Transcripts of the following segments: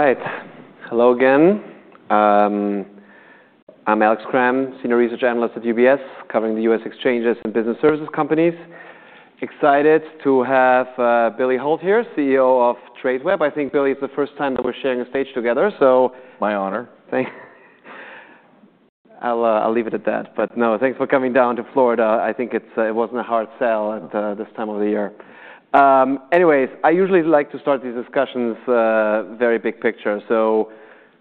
All right. Hello again. I'm Alex Kramm, Senior Research Analyst at UBS, covering the U.S. exchanges and business services companies. Excited to have Billy Hult here, CEO of Tradeweb. I think, Billy, it's the first time that we're sharing a stage together, so- My honor. Thanks, I'll leave it at that. But no, thanks for coming down to Florida. I think it's, it wasn't a hard sell at, this time of the year. Anyways, I usually like to start these discussions, very big picture. So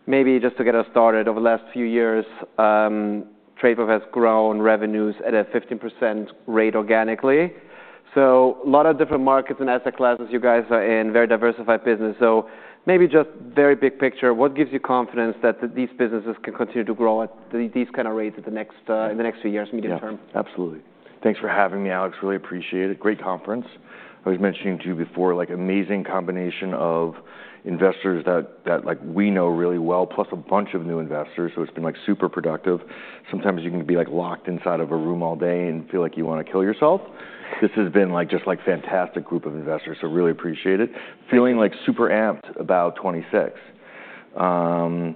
maybe just to get us started, over the last few years, Tradeweb has grown revenues at a 15% rate organically. So a lot of different markets and asset classes you guys are in, very diversified business. So maybe just very big picture, what gives you confidence that these businesses can continue to grow at these kind of rates in the next few years, medium term? Yeah. Absolutely. Thanks for having me, Alex. Really appreciate it. Great conference. I was mentioning to you before, like, amazing combination of investors that, like, we know really well, plus a bunch of new investors, so it's been, like, super productive. Sometimes you can be, like, locked inside of a room all day and feel like you wanna kill yourself. This has been, like, just, like, fantastic group of investors, so really appreciate it. Feeling, like, super amped about 2026. I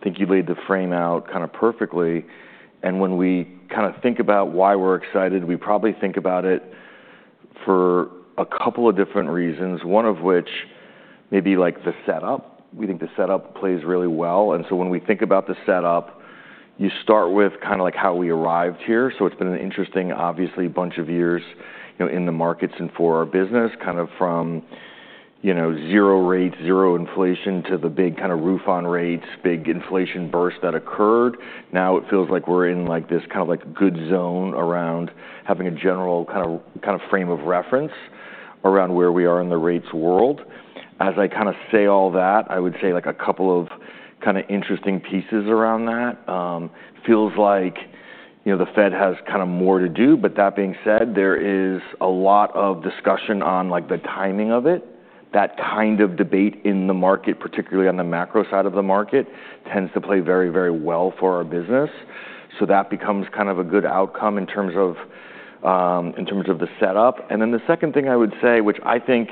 think you laid the frame out kinda perfectly, and when we kinda think about why we're excited, we probably think about it for a couple of different reasons, one of which may be, like, the setup. We think the setup plays really well, and so when we think about the setup, you start with kinda like how we arrived here. So it's been an interesting, obviously, bunch of years, you know, in the markets and for our business, kind of from, you know, zero rates, zero inflation, to the big kinda run-up in rates, big inflation burst that occurred. Now it feels like we're in, like, this kind of, like, good zone around having a general kind of, kind of frame of reference around where we are in the rates world. As I kinda say all that, I would say, like, a couple of kinda interesting pieces around that. Feels like, you know, the Fed has kinda more to do, but that being said, there is a lot of discussion on, like, the timing of it. That kind of debate in the market, particularly on the macro side of the market, tends to play very, very well for our business. So that becomes kind of a good outcome in terms of, in terms of the setup. And then the second thing I would say, which I think,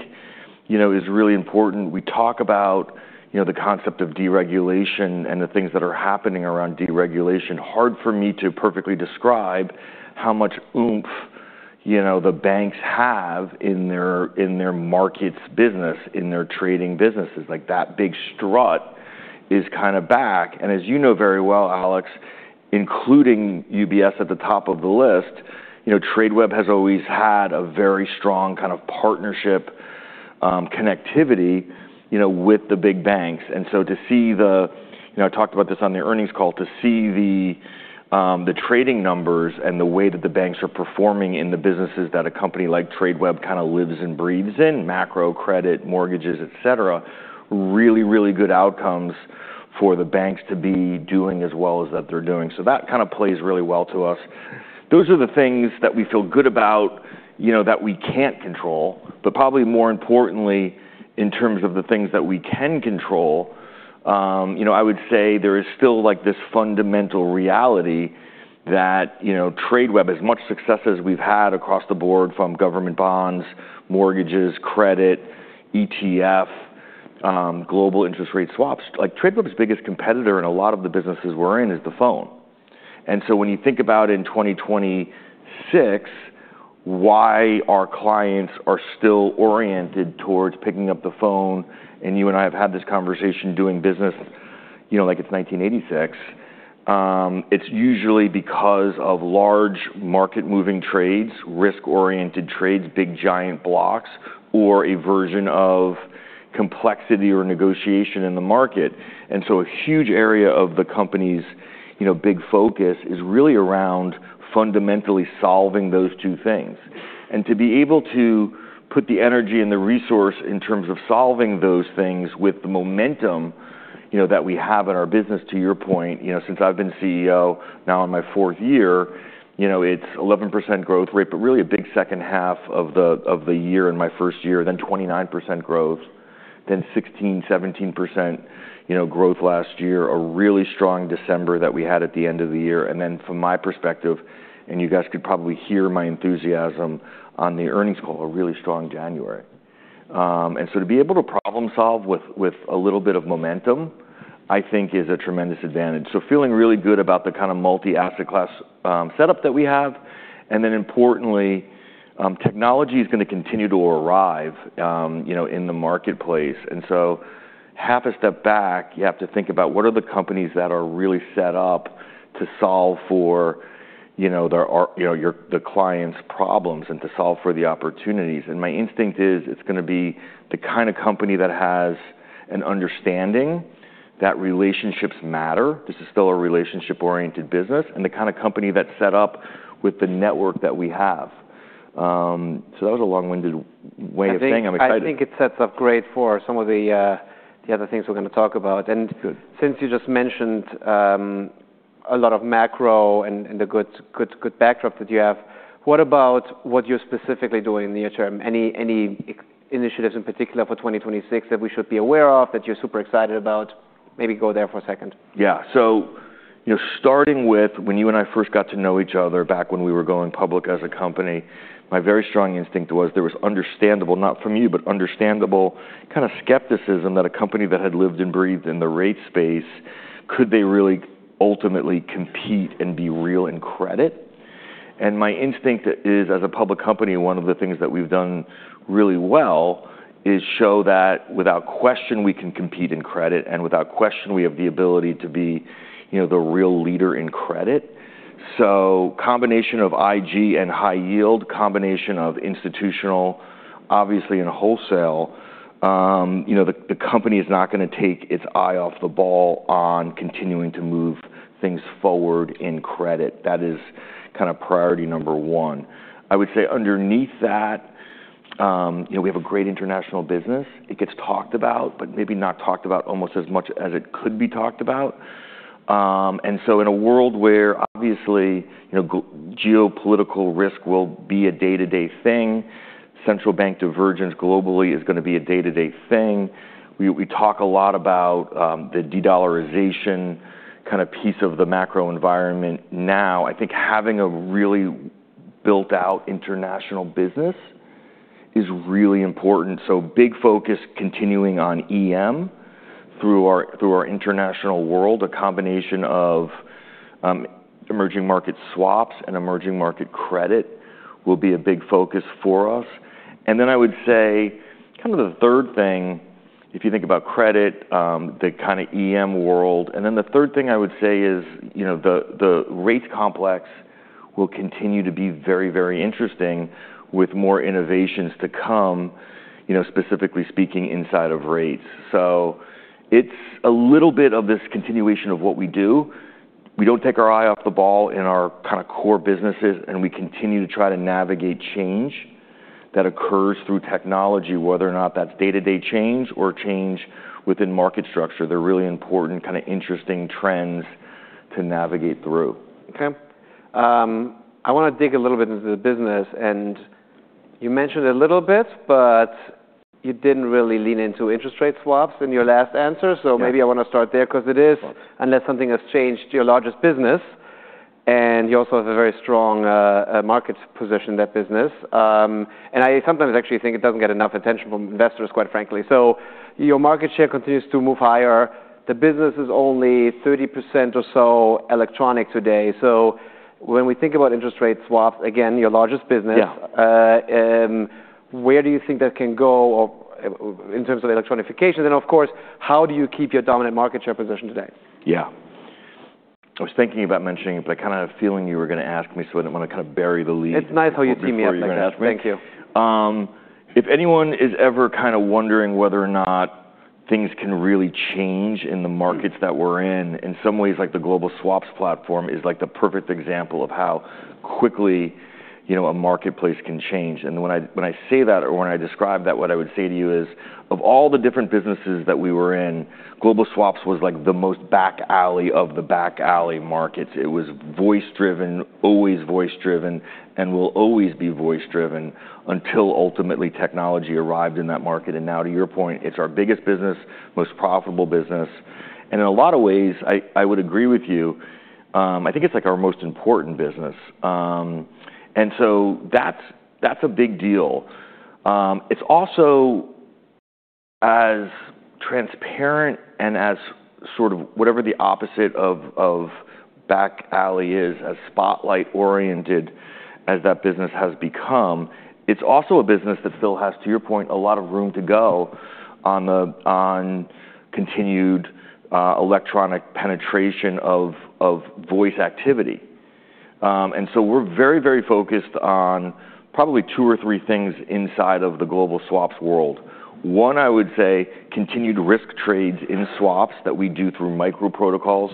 you know, is really important, we talk about, you know, the concept of deregulation and the things that are happening around deregulation. Hard for me to perfectly describe how much oomph, you know, the banks have in their, in their markets business, in their trading businesses, like, that big strut is kinda back. And as you know very well, Alex, including UBS at the top of the list, you know, Tradeweb has always had a very strong kind of partnership, connectivity, you know, with the big banks. And so to see the... You know, I talked about this on the earnings call, to see the, the trading numbers and the way that the banks are performing in the businesses that a company like Tradeweb kinda lives and breathes in, macro, credit, mortgages, et cetera, really, really good outcomes for the banks to be doing as well as that they're doing. So that kinda plays really well to us. Those are the things that we feel good about, you know, that we can't control, but probably more importantly, in terms of the things that we can control, you know, I would say there is still, like, this fundamental reality that, you know, Tradeweb, as much success as we've had across the board, from government bonds, mortgages, credit, ETF, global interest rate swaps, like, Tradeweb's biggest competitor in a lot of the businesses we're in is the phone. And so when you think about in 2026, why our clients are still oriented towards picking up the phone, and you and I have had this conversation, doing business, you know, like it's 1986, it's usually because of large market-moving trades, risk-oriented trades, big, giant blocks, or a version of complexity or negotiation in the market. And so a huge area of the company's, you know, big focus is really around fundamentally solving those two things. To be able to put the energy and the resource in terms of solving those things with the momentum, you know, that we have in our business, to your point, you know, since I've been CEO, now in my fourth year, you know, it's 11% growth rate, but really a big second half of the year in my first year, then 29% growth, then 16%-17%, you know, growth last year, a really strong December that we had at the end of the year. Then from my perspective, and you guys could probably hear my enthusiasm on the earnings call, a really strong January. And so to be able to problem solve with a little bit of momentum, I think is a tremendous advantage. So feeling really good about the kinda multi-asset class setup that we have. Then importantly, technology is gonna continue to arrive, you know, in the marketplace. So half a step back, you have to think about what are the companies that are really set up to solve for, you know, the client's problems and to solve for the opportunities. And my instinct is, it's gonna be the kind of company that has an understanding that relationships matter, this is still a relationship-oriented business, and the kind of company that's set up with the network that we have. So that was a long-winded way of saying I'm excited. I think, I think it sets up great for some of the other things we're gonna talk about. Good. Since you just mentioned a lot of macro and the good backdrop that you have, what about what you're specifically doing in the near term? Any initiatives in particular for 2026 that we should be aware of, that you're super excited about?... maybe go there for a second. Yeah. So, you know, starting with when you and I first got to know each other back when we were going public as a company, my very strong instinct was there was understandable, not from you, but understandable kind of skepticism that a company that had lived and breathed in the rate space, could they really ultimately compete and be real in credit? And my instinct is, as a public company, one of the things that we've done really well is show that without question, we can compete in credit, and without question, we have the ability to be, you know, the real leader in credit. So combination of IG and high yield, combination of institutional, obviously in wholesale, you know, the company is not gonna take its eye off the ball on continuing to move things forward in credit. That is kind of priority number one. I would say underneath that, you know, we have a great international business. It gets talked about, but maybe not talked about almost as much as it could be talked about. And so in a world where obviously, you know, geopolitical risk will be a day-to-day thing, central bank divergence globally is gonna be a day-to-day thing. We, we talk a lot about the De-dollarization kind of piece of the macro environment. Now, I think having a really built-out international business is really important. So big focus continuing on EM through our, through our international world. A combination of emerging market swaps and emerging market credit will be a big focus for us. And then I would say kind of the third thing, if you think about credit, the kind of EM world, and then the third thing I would say is, you know, the, the rates complex will continue to be very, very interesting with more innovations to come, you know, specifically speaking inside of rates. So it's a little bit of this continuation of what we do. We don't take our eye off the ball in our kind of core businesses, and we continue to try to navigate change that occurs through technology, whether or not that's day-to-day change or change within market structure. They're really important, kind of interesting trends to navigate through. Okay. I want to dig a little bit into the business, and you mentioned a little bit, but you didn't really lean into interest rate swaps in your last answer. Yeah. So maybe I want to start there because it is, unless something has changed, your largest business, and you also have a very strong market position in that business. And I sometimes actually think it doesn't get enough attention from investors, quite frankly. So your market share continues to move higher. The business is only 30% or so electronic today. So when we think about interest rate swaps, again, your largest business- Yeah Where do you think that can go or in terms of electronification? Then, of course, how do you keep your dominant market share position today? Yeah. I was thinking about mentioning it, but kind of feeling you were gonna ask me, so I didn't want to kind of bury the lead- It's nice how you see me like that. Before you were gonna ask me. Thank you. If anyone is ever kind of wondering whether or not things can really change in the markets that we're in, in some ways, like, the Global Swaps platform is, like, the perfect example of how quickly, you know, a marketplace can change. And when I, when I say that or when I describe that, what I would say to you is, of all the different businesses that we were in, Global Swaps was, like, the most back alley of the back alley markets. It was voice-driven, always voice-driven, and will always be voice-driven until ultimately technology arrived in that market. And now, to your point, it's our biggest business, most profitable business, and in a lot of ways, I, I would agree with you, I think it's, like, our most important business. And so that's, that's a big deal. It's also as transparent and as sort of whatever the opposite of back alley is, as spotlight-oriented as that business has become. It's also a business that still has, to your point, a lot of room to go on continued electronic penetration of voice activity. And so we're very, very focused on probably two or three things inside of the Global Swaps world. One, I would say, continued risk trades in swaps that we do through micro protocols.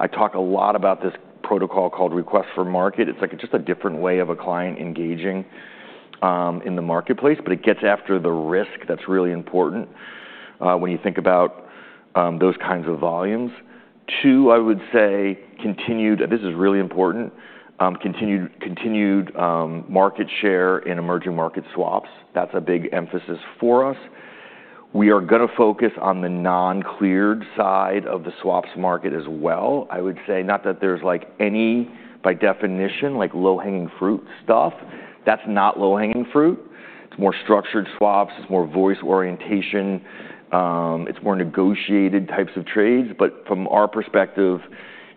I talk a lot about this protocol called Request for Market. It's like just a different way of a client engaging in the marketplace, but it gets after the risk that's really important when you think about those kinds of volumes. Two, I would say continued. This is really important, continued market share in emerging market swaps. That's a big emphasis for us. We are gonna focus on the non-cleared side of the swaps market as well. I would say not that there's like any, by definition, like, low-hanging fruit stuff. That's not low-hanging fruit. It's more structured swaps, it's more voice orientation, it's more negotiated types of trades. But from our perspective,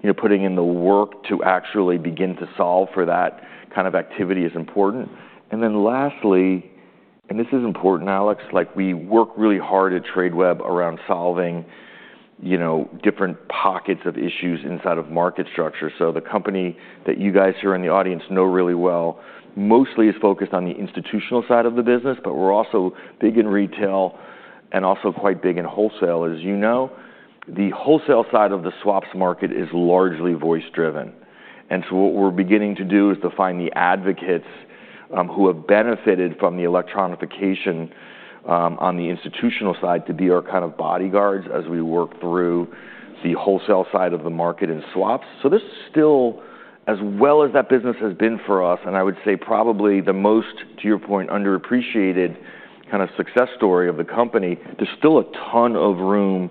you know, putting in the work to actually begin to solve for that kind of activity is important. And then lastly, and this is important, Alex, like, we work really hard at Tradeweb around solving, you know, different pockets of issues inside of market structure. So the company that you guys here in the audience know really well, mostly is focused on the institutional side of the business, but we're also big in retail and also quite big in wholesale. As you know, the wholesale side of the swaps market is largely voice-driven. And so what we're beginning to do is to find the advocates, who have benefited from the electronification, on the institutional side to be our kind of bodyguards as we work through the wholesale side of the market in swaps. So this is still, as well as that business has been for us, and I would say probably the most, to your point, underappreciated kind of success story of the company, there's still a ton of room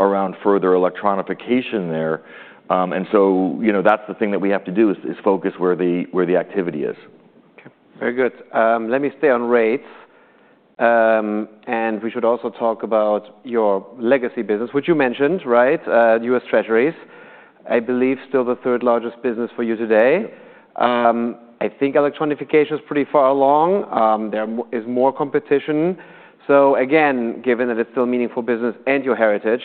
around further electronification there. And so, you know, that's the thing that we have to do, is focus where the activity is. Okay, very good. Let me stay on rates. We should also talk about your legacy business, which you mentioned, right? U.S. Treasuries, I believe still the third largest business for you today. Yeah. I think electronification is pretty far along. There is more competition. So again, given that it's still a meaningful business and your heritage,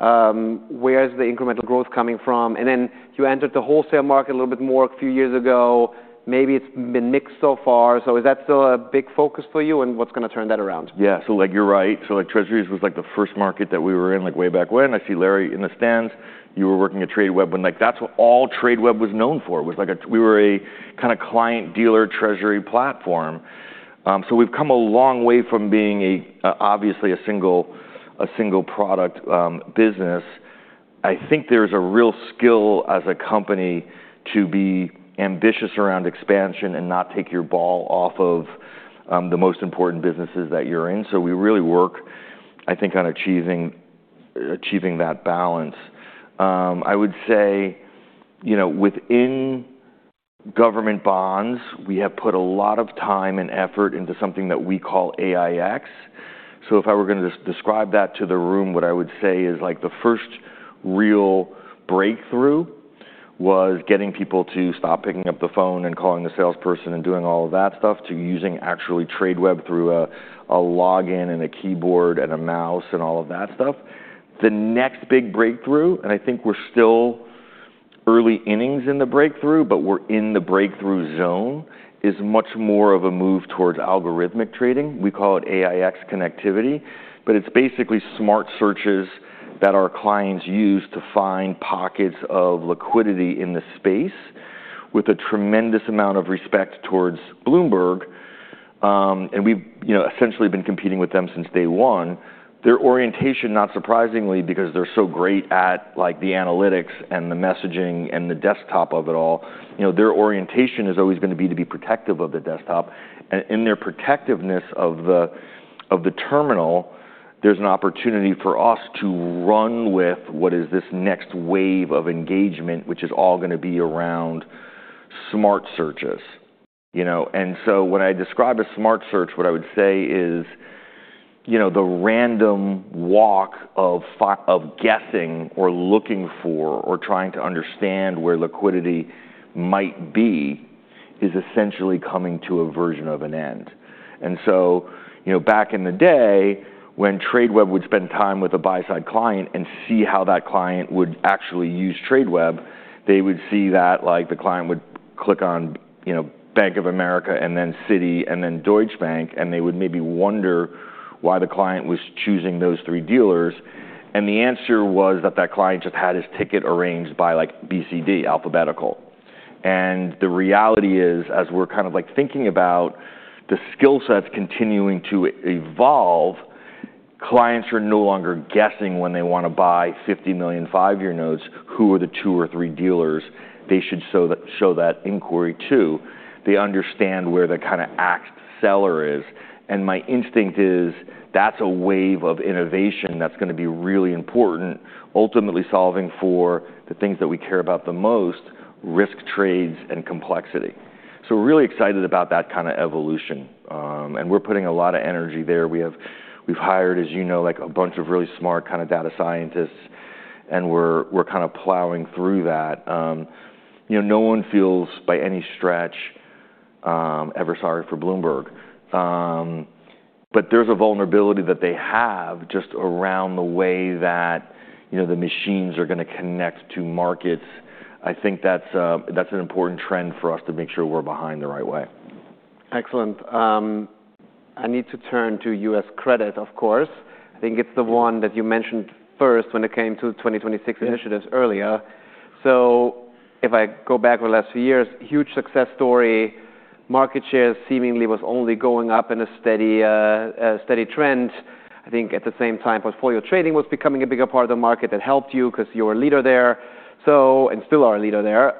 where is the incremental growth coming from? And then you entered the wholesale market a little bit more a few years ago. Maybe it's been mixed so far. So is that still a big focus for you, and what's gonna turn that around? Yeah. So, like, you're right. So, like, Treasuries was, like, the first market that we were in, like, way back when. I see Larry in the stands. You were working at Tradeweb when, like, that's what all Tradeweb was known for, was like a... We were a kind of client-dealer Treasury platform. So we've come a long way from being a, obviously a single, a single product, business. I think there's a real skill as a company to be ambitious around expansion and not take your ball off of, the most important businesses that you're in. So we really work, I think, on achieving, achieving that balance. I would say, you know, within government bonds, we have put a lot of time and effort into something that we call AiEX. So if I were gonna describe that to the room, what I would say is, like, the first real breakthrough was getting people to stop picking up the phone and calling the salesperson and doing all of that stuff, to using actually Tradeweb through a, a login and a keyboard and a mouse and all of that stuff. The next big breakthrough, and I think we're still early innings in the breakthrough, but we're in the breakthrough zone, is much more of a move towards algorithmic trading. We call it AiEX connectivity, but it's basically smart searches that our clients use to find pockets of liquidity in the space with a tremendous amount of respect towards Bloomberg. And we've, you know, essentially been competing with them since day one. Their orientation, not surprisingly, because they're so great at, like, the analytics and the messaging and the desktop of it all, you know, their orientation is always gonna be to be protective of the desktop. And in their protectiveness of the, of the terminal, there's an opportunity for us to run with what is this next wave of engagement, which is all gonna be around smart searches, you know? And so when I describe a smart search, what I would say is, you know, the random walk of guessing or looking for or trying to understand where liquidity might be is essentially coming to a version of an end. So, you know, back in the day, when Tradeweb would spend time with a buy-side client and see how that client would actually use Tradeweb, they would see that, like, the client would click on, you know, Bank of America and then Citi and then Deutsche Bank, and they would maybe wonder why the client was choosing those three dealers. The answer was that that client just had his ticket arranged by, like, BCD, alphabetical. The reality is, as we're kind of, like, thinking about the skill sets continuing to evolve, clients are no longer guessing when they wanna buy $50 million 5-year notes, who are the 2 or 3 dealers they should show that inquiry to. They understand where the kind of act seller is. My instinct is that's a wave of innovation that's gonna be really important, ultimately solving for the things that we care about the most: risk trades and complexity. We're really excited about that kind of evolution. We're putting a lot of energy there. We've hired, as you know, like, a bunch of really smart kind of data scientists, and we're, we're kind of plowing through that. You know, no one feels by any stretch, ever sorry for Bloomberg. But there's a vulnerability that they have just around the way that, you know, the machines are gonna connect to markets. I think that's, that's an important trend for us to make sure we're behind the right way. Excellent. I need to turn to U.S. credit, of course. I think it's the one that you mentioned first when it came to 2026- Yeah Initiatives earlier. So if I go back over the last few years, huge success story. Market share seemingly was only going up in a steady trend. I think at the same time, portfolio trading was becoming a bigger part of the market. That helped you because you're a leader there, so... And still are a leader there.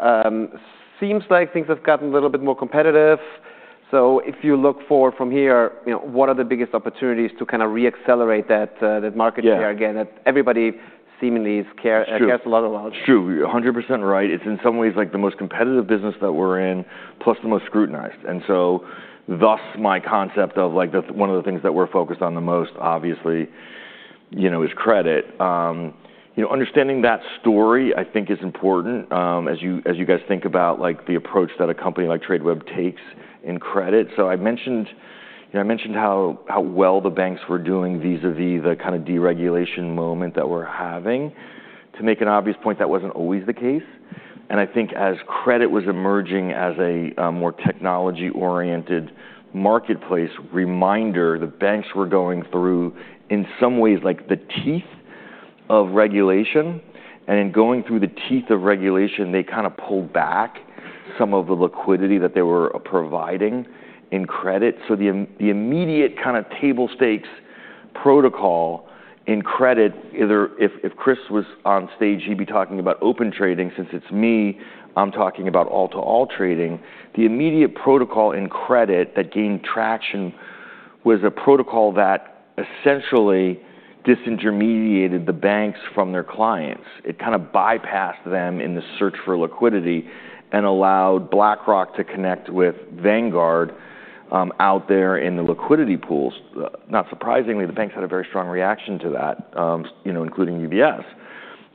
Seems like things have gotten a little bit more competitive. So if you look forward from here, you know, what are the biggest opportunities to kind of re-accelerate that market share- Yeah - again, that everybody seemingly cares- It's true cares a lot about? It's true. You're 100% right. It's in some ways, like, the most competitive business that we're in, plus the most scrutinized. And so thus, my concept of, like, the... One of the things that we're focused on the most, obviously, you know, is credit. You know, understanding that story, I think, is important, as you, as you guys think about, like, the approach that a company like Tradeweb takes in credit. So I mentioned, you know, I mentioned how, how well the banks were doing vis-a-vis the kind of deregulation moment that we're having. To make an obvious point, that wasn't always the case, and I think as credit was emerging as a more technology-oriented marketplace, reminder, the banks were going through, in some ways, like, the teeth of regulation, and in going through the teeth of regulation, they kind of pulled back some of the liquidity that they were providing in credit. So the immediate kind of table stakes protocol in credit, either if Chris was on stage, he'd be talking about Open Trading. Since it's me, I'm talking about all-to-all trading. The immediate protocol in credit that gained traction was a protocol that essentially disintermediated the banks from their clients. It kind of bypassed them in the search for liquidity and allowed BlackRock to connect with Vanguard out there in the liquidity pools. Not surprisingly, the banks had a very strong reaction to that, you know, including UBS.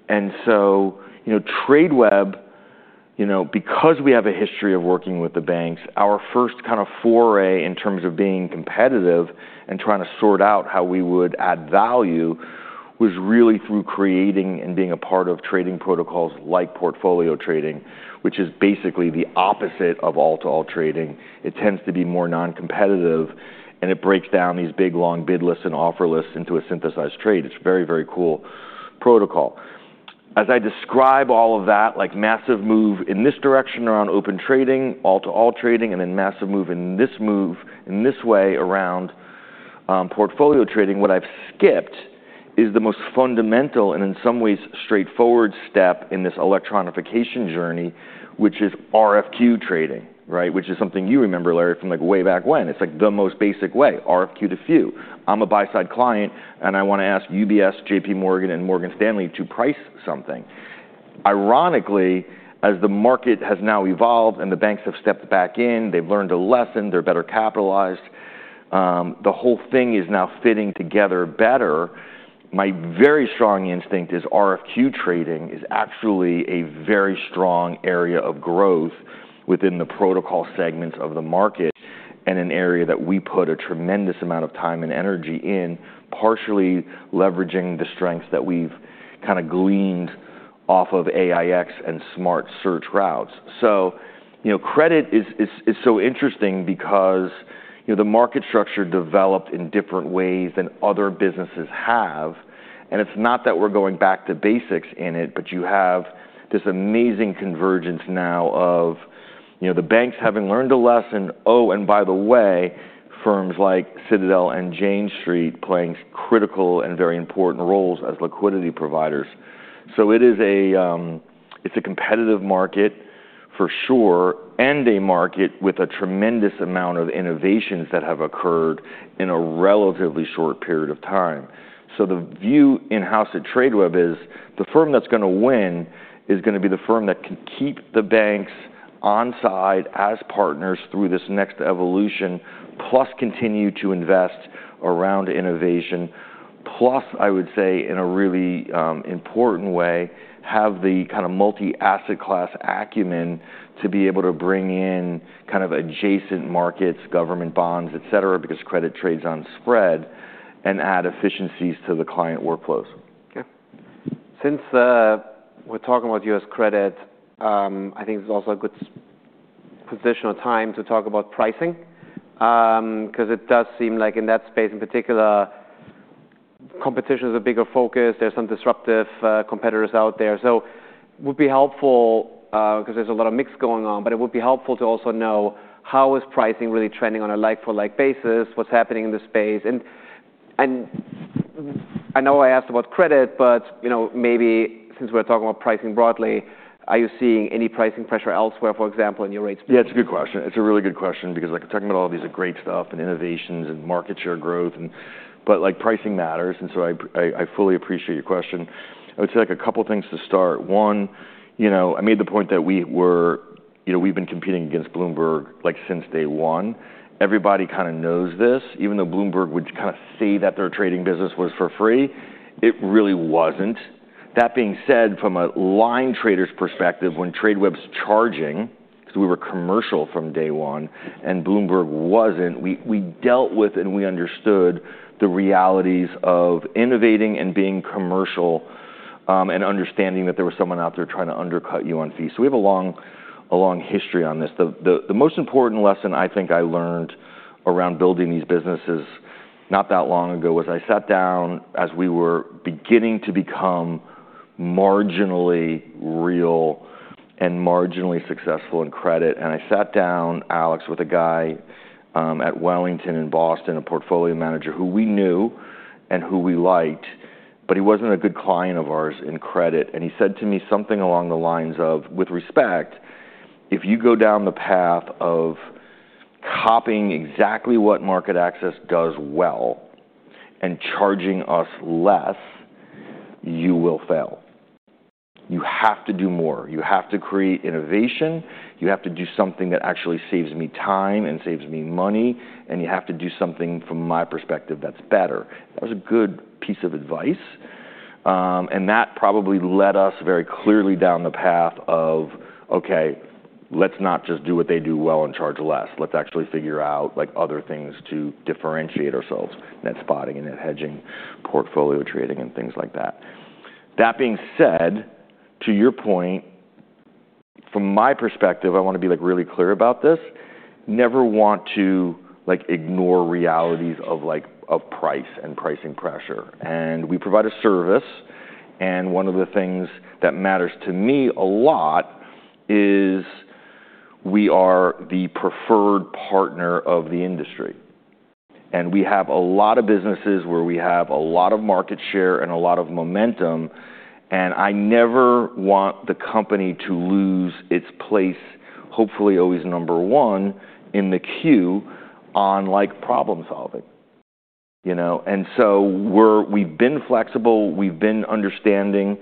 And so, you know, Tradeweb, you know, because we have a history of working with the banks, our first kind of foray in terms of being competitive and trying to sort out how we would add value, was really through creating and being a part of trading protocols like portfolio trading, which is basically the opposite of all-to-all trading. It tends to be more non-competitive, and it breaks down these big, long bid lists and offer lists into a synthesized trade. It's a very, very cool protocol. As I describe all of that, like massive move in this direction around open trading, all-to-all trading, and then massive move in this way around portfolio trading, what I've skipped is the most fundamental and in some ways, straightforward step in this electronification journey, which is RFQ trading, right? Which is something you remember, Larry, from, like, way back when. It's, like, the most basic way, RFQ to few. I'm a buy side client, and I wanna ask UBS, JPMorgan, and Morgan Stanley to price something. Ironically, as the market has now evolved and the banks have stepped back in, they've learned a lesson, they're better capitalized, the whole thing is now fitting together better. My very strong instinct is RFQ trading is actually a very strong area of growth within the protocol segments of the market, and an area that we put a tremendous amount of time and energy in, partially leveraging the strengths that we've kinda gleaned off of AiEX and smart search routes. So, you know, credit is so interesting because, you know, the market structure developed in different ways than other businesses have, and it's not that we're going back to basics in it, but you have this amazing convergence now of, you know, the banks having learned a lesson. Oh, and by the way, firms like Citadel and Jane Street playing critical and very important roles as liquidity providers. So it is a... It's a competitive market for sure, and a market with a tremendous amount of innovations that have occurred in a relatively short period of time. So the view in-house at Tradeweb is, the firm that's gonna win is gonna be the firm that can keep the banks on side as partners through this next evolution, plus continue to invest around innovation, plus, I would say, in a really, important way, have the kind of multi-asset class acumen to be able to bring in kind of adjacent markets, government bonds, et cetera, because credit trades on spread, and add efficiencies to the client workflows. Okay. Since we're talking about U.S. credit, I think it's also a good position or time to talk about pricing. Because it does seem like in that space, in particular, competition is a bigger focus. There's some disruptive competitors out there. So would be helpful, because there's a lot of mix going on, but it would be helpful to also know how is pricing really trending on a like for like basis, what's happening in the space? And I know I asked about credit, but you know, maybe since we're talking about pricing broadly, are you seeing any pricing pressure elsewhere, for example, in your rates? Yeah, it's a good question. It's a really good question because, like, talking about all these are great stuff and innovations and market share growth and... But like, pricing matters, and so I fully appreciate your question. I would say, like, a couple of things to start. One, you know, I made the point that we were, you know, we've been competing against Bloomberg, like, since day one. Everybody kinda knows this. Even though Bloomberg would kinda say that their trading business was for free, it really wasn't. That being said, from a line trader's perspective, when Tradeweb's charging, because we were commercial from day one and Bloomberg wasn't, we dealt with and we understood the realities of innovating and being commercial, and understanding that there was someone out there trying to undercut you on fees. So we have a long history on this. The most important lesson I think I learned around building these businesses not that long ago was, I sat down as we were beginning to become marginally real and marginally successful in credit, and I sat down, Alex, with a guy at Wellington in Boston, a portfolio manager who we knew and who we liked, but he wasn't a good client of ours in credit. And he said to me something along the lines of, "With respect, if you go down the path of copying exactly what MarketAxess does well and charging us less, you will fail. You have to do more. You have to create innovation, you have to do something that actually saves me time and saves me money, and you have to do something from my perspective, that's better." That was a good piece of advice. And that probably led us very clearly down the path of: Okay, let's not just do what they do well and charge less. Let's actually figure out, like, other things to differentiate ourselves, net spotting and net hedging, portfolio trading, and things like that. That being said, to your point, from my perspective, I wanna be, like, really clear about this. Never want to, like, ignore realities of, like, of price and pricing pressure. And we provide a service, and one of the things that matters to me a lot is... we are the preferred partner of the industry, and we have a lot of businesses where we have a lot of market share and a lot of momentum, and I never want the company to lose its place, hopefully, always number one in the queue on, like, problem-solving, you know? And so we've been flexible, we've been understanding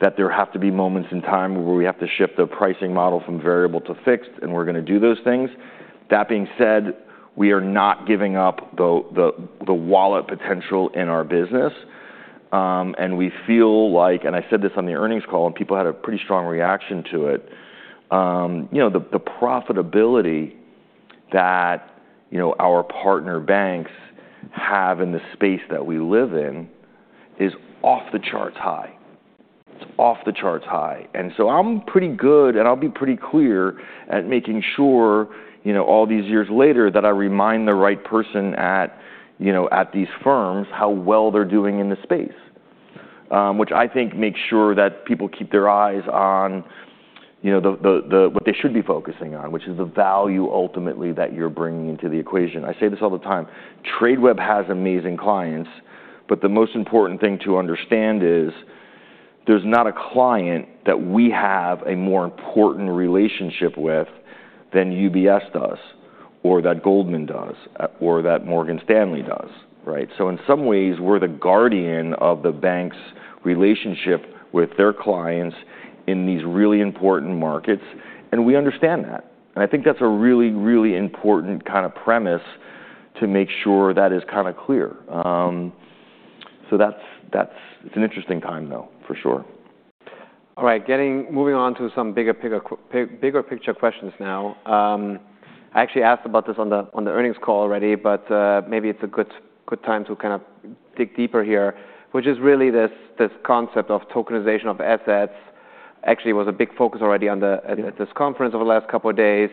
that there have to be moments in time where we have to shift the pricing model from variable to fixed, and we're gonna do those things. That being said, we are not giving up the wallet potential in our business. And we feel like, and I said this on the earnings call, and people had a pretty strong reaction to it, you know, the profitability that, you know, our partner banks have in the space that we live in is off the charts high. It's off the charts high. And so I'm pretty good, and I'll be pretty clear at making sure, you know, all these years later, that I remind the right person at, you know, at these firms, how well they're doing in the space. which I think makes sure that people keep their eyes on, you know, the what they should be focusing on, which is the value ultimately that you're bringing to the equation. I say this all the time: Tradeweb has amazing clients, but the most important thing to understand is there's not a client that we have a more important relationship with than UBS does, or that Goldman does, or that Morgan Stanley does, right? So in some ways, we're the guardian of the bank's relationship with their clients in these really important markets, and we understand that. And I think that's a really, really important kind of premise to make sure that is kinda clear. so that's. It's an interesting time, though, for sure. All right, moving on to some bigger picture questions now. I actually asked about this on the, on the earnings call already, but, maybe it's a good, good time to kind of dig deeper here, which is really this, this concept of tokenization of assets. Actually, it was a big focus already at this conference over the last couple of days.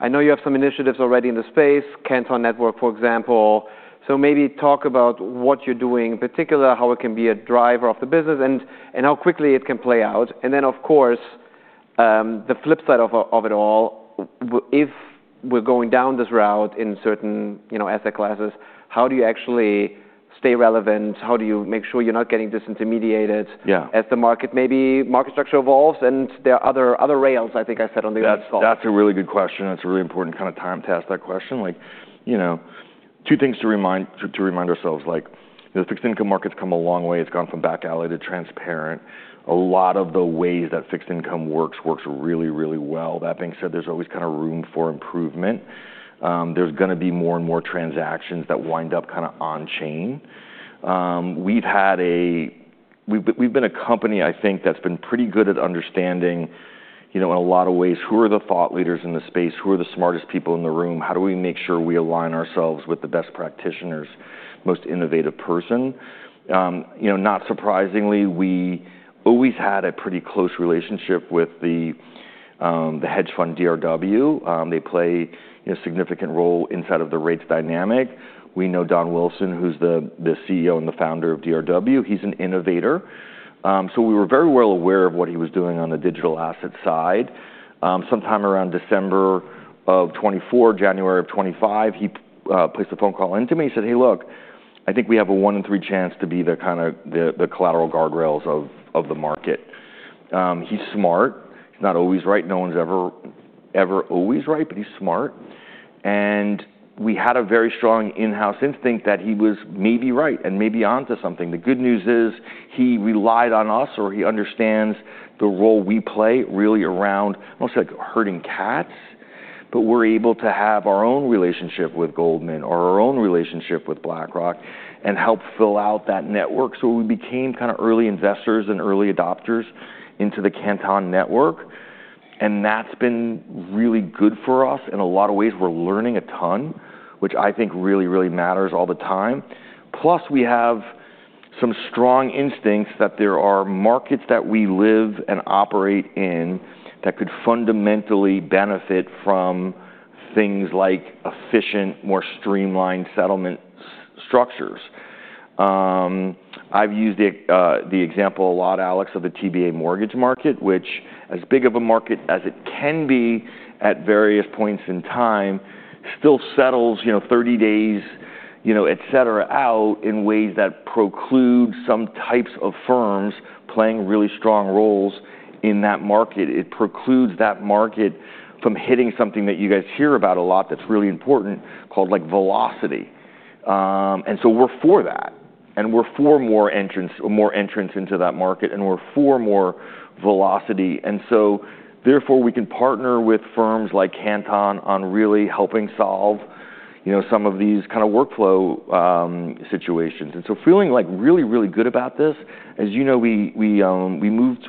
I know you have some initiatives already in the space, Canton Network, for example. So maybe talk about what you're doing, in particular, how it can be a driver of the business and, and how quickly it can play out. And then, of course, the flip side of, of it all, what if we're going down this route in certain, you know, asset classes, how do you actually stay relevant? How do you make sure you're not getting disintermediated- Yeah... as the market, maybe market structure evolves and there are other, other rails, I think I said on the last call? That's a really good question. That's a really important kind of time to ask that question. Like, you know, two things to remind ourselves, like, the fixed income market's come a long way. It's gone from back alley to transparent. A lot of the ways that fixed income works really well. That being said, there's always kind of room for improvement. There's gonna be more and more transactions that wind up kinda on chain. We've been a company, I think, that's been pretty good at understanding, you know, in a lot of ways, who are the thought leaders in the space? Who are the smartest people in the room? How do we make sure we align ourselves with the best practitioners, most innovative person? You know, not surprisingly, we always had a pretty close relationship with the hedge fund, DRW. They play a significant role inside of the rates dynamic. We know Don Wilson, who's the CEO and the founder of DRW. He's an innovator. So we were very well aware of what he was doing on the digital asset side. Sometime around December of 2024, January of 2025, he placed a phone call into me and said: "Hey, look, I think we have a one in three chance to be the kinda the collateral guardrails of the market." He's smart. He's not always right. No one's ever always right, but he's smart, and we had a very strong in-house instinct that he was maybe right and maybe onto something. The good news is, he relied on us, or he understands the role we play really around, almost like herding cats, but we're able to have our own relationship with Goldman or our own relationship with BlackRock and help fill out that network. So we became kinda early investors and early adopters into the Canton Network, and that's been really good for us. In a lot of ways, we're learning a ton, which I think really, really matters all the time. Plus, we have some strong instincts that there are markets that we live and operate in that could fundamentally benefit from things like efficient, more streamlined settlement structures. I've used the example a lot, Alex, of the TBA mortgage market, which as big of a market as it can be at various points in time, still settles, you know, 30 days, you know, et cetera, out in ways that precludes some types of firms playing really strong roles in that market. It precludes that market from hitting something that you guys hear about a lot that's really important, called like velocity. And so we're for that, and we're for more entrants or more entrants into that market, and we're for more velocity. And so therefore, we can partner with firms like Canton on really helping solve, you know, some of these kinda workflow situations. And so feeling like really, really good about this. As you know, we moved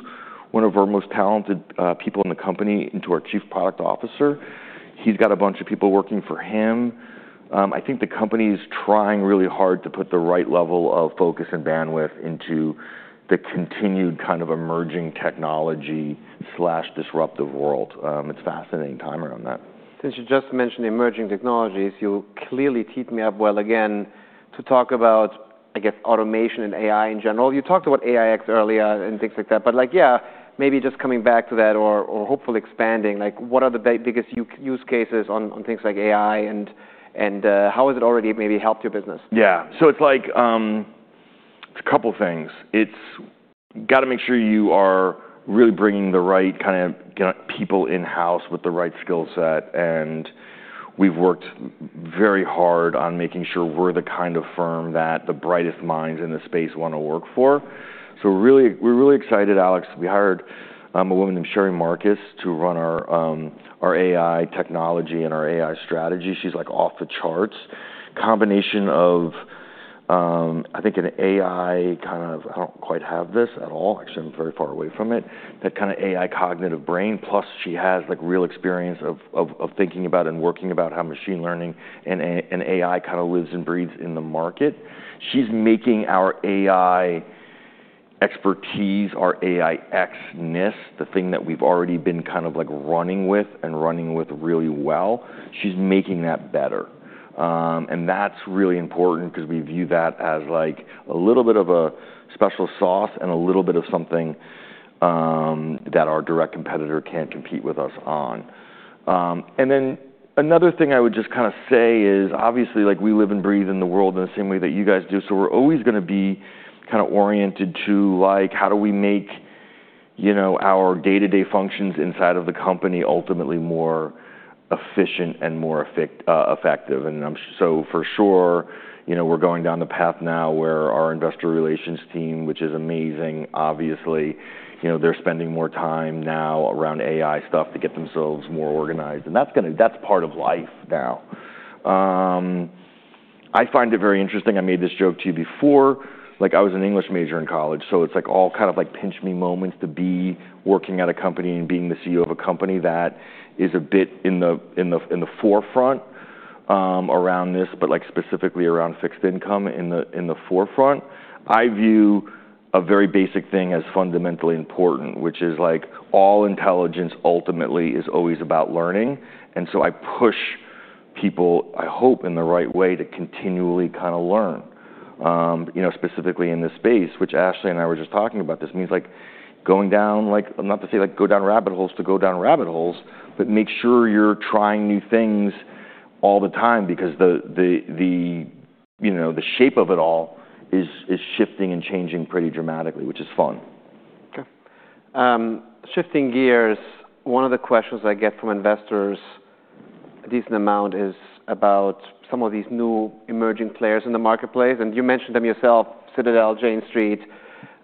one of our most talented people in the company into our Chief Product Officer. He's got a bunch of people working for him. I think the company's trying really hard to put the right level of focus and bandwidth into the continued kind of emerging technology disruptive world. It's a fascinating time around that.... Since you just mentioned emerging technologies, you clearly teed me up well again to talk about, I guess, automation and AI in general. You talked about AiEX earlier and things like that, but like, yeah, maybe just coming back to that or hopefully expanding, like, what are the biggest use cases on things like AI and how has it already maybe helped your business? Yeah. So it's like, it's a couple things. It's gotta make sure you are really bringing the right kind of people in-house with the right skill set, and we've worked very hard on making sure we're the kind of firm that the brightest minds in the space wanna work for. So we're really- we're really excited, Alex. We hired a woman named Sherry Marcus to run our our AI technology and our AI strategy. She's, like, off the charts. Combination of, I think an AI kind of... I don't quite have this at all. Actually, I'm very far away from it. That kind of AI cognitive brain, plus she has, like, real experience of thinking about and working about how machine learning and AI kind of lives and breathes in the market. She's making our AI expertise, our AiEX-ness, the thing that we've already been kind of like running with and running with really well, she's making that better. And that's really important 'cause we view that as, like, a little bit of a special sauce and a little bit of something that our direct competitor can't compete with us on. And then another thing I would just kind of say is, obviously, like, we live and breathe in the world in the same way that you guys do, so we're always gonna be kind of oriented to, like, how do we make, you know, our day-to-day functions inside of the company ultimately more efficient and more effective? I'm so for sure, you know, we're going down the path now where our investor relations team, which is amazing, obviously, you know, they're spending more time now around AI stuff to get themselves more organized, and that's part of life now. I find it very interesting. I made this joke to you before. Like, I was an English major in college, so it's, like, all kind of like pinch me moments to be working at a company and being the CEO of a company that is a bit in the forefront around this, but, like, specifically around fixed income in the forefront. I view a very basic thing as fundamentally important, which is, like, all intelligence ultimately is always about learning, and so I push people, I hope, in the right way, to continually kind of learn, you know, specifically in this space, which Ashley and I were just talking about this, and it's like going down... like, not to say, like, go down rabbit holes, to go down rabbit holes, but make sure you're trying new things all the time because the, you know, the shape of it all is shifting and changing pretty dramatically, which is fun. Okay. Shifting gears, one of the questions I get from investors a decent amount is about some of these new emerging players in the marketplace, and you mentioned them yourself, Citadel, Jane Street,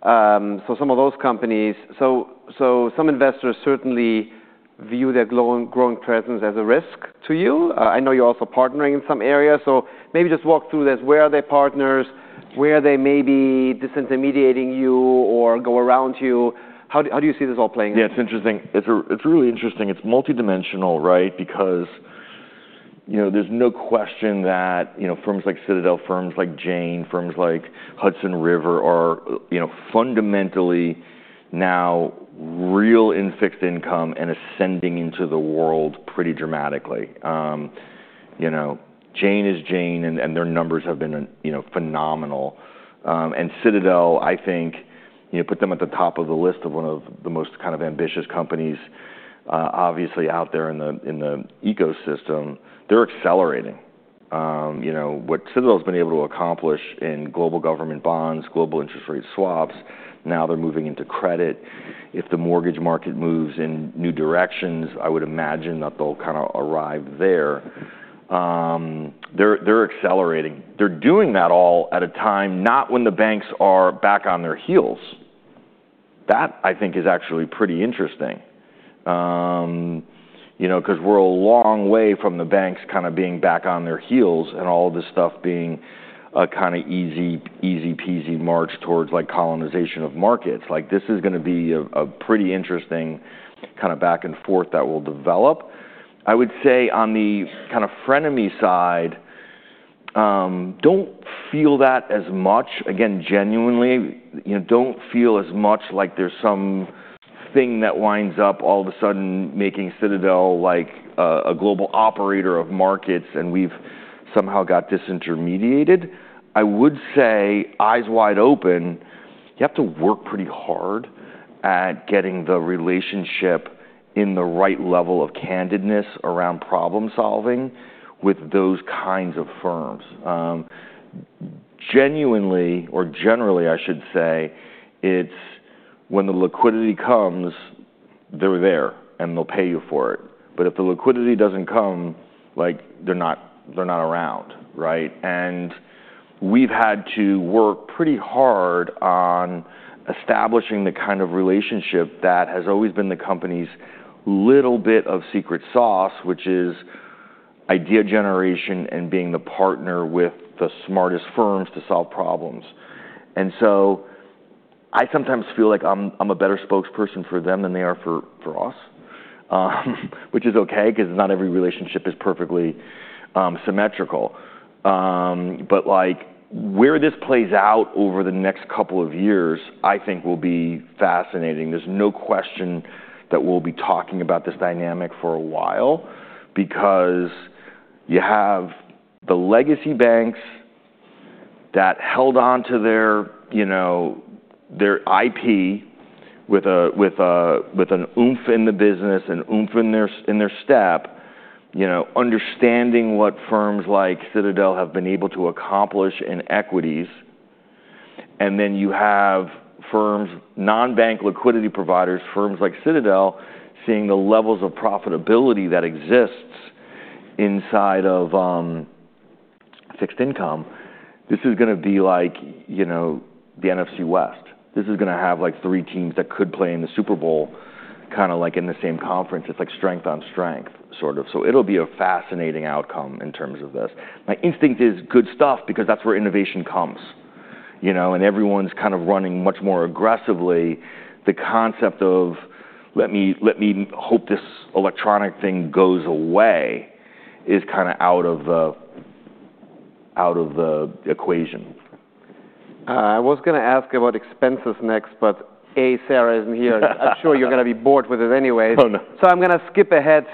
so some of those companies. So some investors certainly view their growing presence as a risk to you. I know you're also partnering in some areas, so maybe just walk through this. Where are they partners? Where are they maybe disintermediating you or go around you? How do you see this all playing out? Yeah, it's interesting. It's really interesting. It's multidimensional, right? Because, you know, there's no question that, you know, firms like Citadel, firms like Jane Street, firms like Hudson River Trading are, you know, fundamentally now real in fixed income and ascending into the world pretty dramatically. You know, Jane Street is Jane Street, and their numbers have been, you know, phenomenal. And Citadel, I think, you know, put them at the top of the list of one of the most kind of ambitious companies, obviously out there in the ecosystem. They're accelerating. You know, what Citadel's been able to accomplish in global government bonds, global interest rate swaps, now they're moving into credit. If the mortgage market moves in new directions, I would imagine that they'll kind of arrive there. They're accelerating. They're doing that all at a time, not when the banks are back on their heels. That, I think, is actually pretty interesting, you know, 'cause we're a long way from the banks kind of being back on their heels and all this stuff being a kind of easy, easy peasy march towards, like, colonization of markets. Like, this is gonna be a pretty interesting kind of back and forth that will develop. I would say on the kind of frenemy side, don't feel that as much, again, genuinely, you know, don't feel as much like there's some thing that winds up all of a sudden making Citadel like a global operator of markets and we've somehow got disintermediated. I would say, eyes wide open, you have to work pretty hard at getting the relationship in the right level of candidness around problem-solving with those kinds of firms. Genuinely, or generally, I should say, it's when the liquidity comes, they're there, and they'll pay you for it. But if the liquidity doesn't come, like, they're not, they're not around, right? And we've had to work pretty hard on establishing the kind of relationship that has always been the company's little bit of secret sauce, which is idea generation and being the partner with the smartest firms to solve problems. And so I sometimes feel like I'm a better spokesperson for them than they are for us, which is okay, 'cause not every relationship is perfectly symmetrical. But like where this plays out over the next couple of years, I think will be fascinating. There's no question that we'll be talking about this dynamic for a while, because you have the legacy banks that held on to their, you know, their IP with a, with a, with an oomph in the business and oomph in their, in their step, you know, understanding what firms like Citadel have been able to accomplish in equities. And then you have firms, non-bank liquidity providers, firms like Citadel, seeing the levels of profitability that exists inside of fixed income. This is gonna be like, you know, the NFC West. This is gonna have, like, three teams that could play in the Super Bowl, kinda like in the same conference. It's like strength on strength, sort of. So it'll be a fascinating outcome in terms of this. My instinct is good stuff, because that's where innovation comes, you know, and everyone's kind of running much more aggressively. The concept of, let me hope this electronic thing goes away, is kinda out of the equation. I was gonna ask about expenses next, but Sara isn't here. I'm sure you're gonna be bored with it anyways. Oh, no. I'm gonna skip ahead,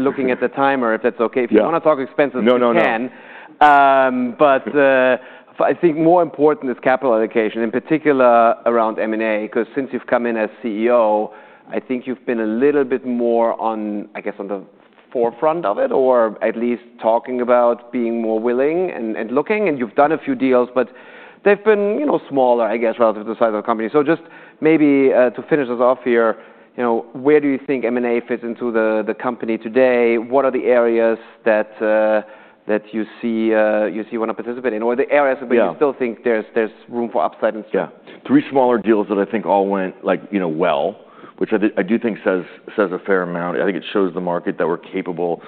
looking at the timer, if that's okay. Yeah. If you wanna talk expenses- No, no, no... you can. But, I think more important is capital allocation, in particular around M&A, 'cause since you've come in as CEO, I think you've been a little bit more on, I guess, on the forefront of it, or at least talking about being more willing and, and looking, and you've done a few deals, but they've been, you know, smaller, I guess, relative to the size of the company. So just maybe, to finish us off here, you know, where do you think M&A fits into the, the company today? What are the areas that, that you see, you see wanna participate in? Or the areas- Yeah... where you still think there's room for upside and- Yeah. Three smaller deals that I think all went, like, you know, well, which I do think says a fair amount. I think it shows the market that we're capable,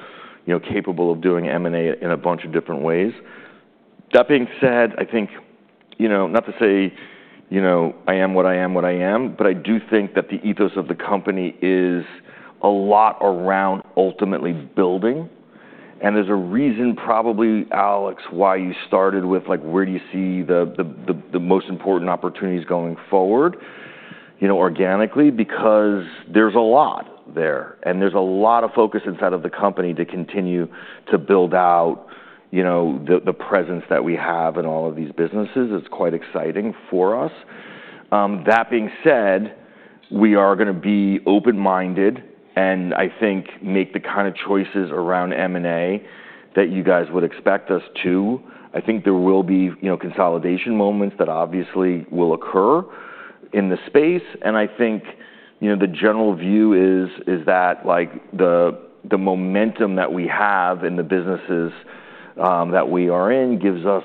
you know, capable of doing M&A in a bunch of different ways. That being said, I think, you know, not to say, you know, I am what I am, what I am, but I do think that the ethos of the company is a lot around ultimately building. And there's a reason, probably, Alex, why you started with, like, where do you see the most important opportunities going forward, you know, organically? Because there's a lot there, and there's a lot of focus inside of the company to continue to build out, you know, the presence that we have in all of these businesses. It's quite exciting for us. That being said, we are gonna be open-minded, and I think make the kind of choices around M&A that you guys would expect us to. I think there will be, you know, consolidation moments that obviously will occur in the space, and I think, you know, the general view is, is that, like, the, the momentum that we have in the businesses, that we are in gives us,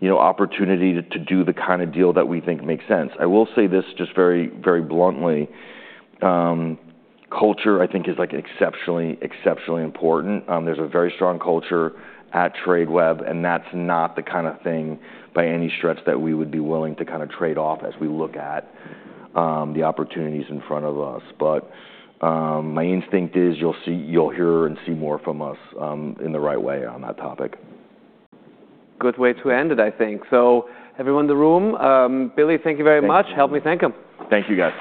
you know, opportunity to, to do the kinda deal that we think makes sense. I will say this just very, very bluntly: culture, I think, is, like, exceptionally, exceptionally important. There's a very strong culture at Tradeweb, and that's not the kind of thing, by any stretch, that we would be willing to kinda trade off as we look at, the opportunities in front of us. But, my instinct is you'll see... You'll hear and see more from us, in the right way on that topic. Good way to end it, I think. So everyone in the room, Billy, thank you very much. Thank you. Help me thank him. Thank you, guys.